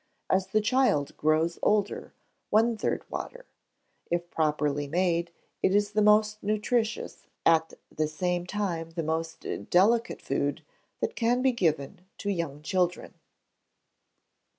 As the child grows older, one third water. If properly made, it is the most nutritious, at the same time the most delicate food that can be given to young children.